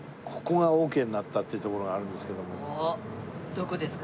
どこですか？